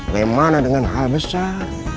bagaimana dengan hal besar